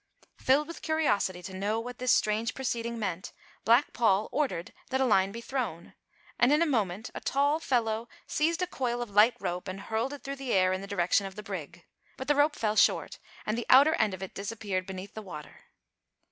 Filled with curiosity to know what this strange proceeding meant, Black Paul ordered that a line be thrown, and, in a moment, a tall fellow seized a coil of light rope and hurled it through the air in the direction of the brig; but the rope fell short, and the outer end of it disappeared beneath the water.